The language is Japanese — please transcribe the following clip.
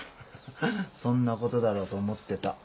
そんなことだろうと思ってた。